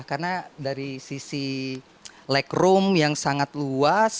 karena dari sisi legroom yang sangat luas